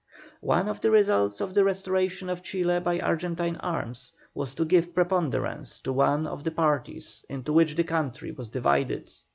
One of the results of the restoration of Chile by Argentine arms was to give preponderance to one of the parties into which the country was divided.